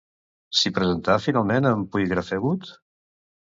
S'hi presentà finalment en Puigrafegut?